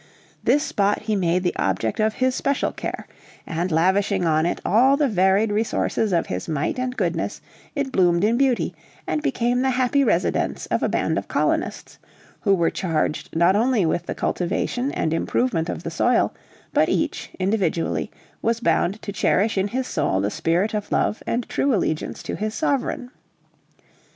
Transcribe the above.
This spot he made the object of his special care; and, lavishing on it all the varied resources of his might and goodness, it bloomed in beauty, and became the happy residence of a band of colonists, who were charged not only with the cultivation and improvement of the soil, but each, individually, was bound to cherish in his soul the spirit of love and true allegiance to his Sovereign.